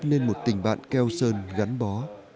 nên một tình bạn keo sơn gắn bó